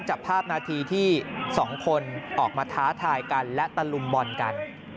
จับภาพนาทีที่สองคนออกมาท้าทายกันและตะลุมบอลกัน